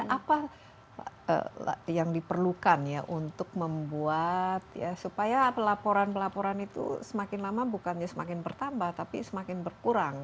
apa yang diperlukan ya untuk membuat ya supaya pelaporan pelaporan itu semakin lama bukannya semakin bertambah tapi semakin berkurang